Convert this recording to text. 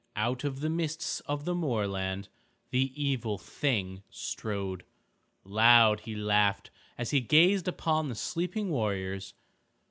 Out of the mists of the moorland the Evil Thing strode. Loud he laughed as he gazed upon the sleeping warriors.